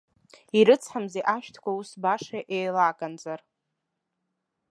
Ирыцҳамзи ашәҭқәа ус баша еилаканӡар!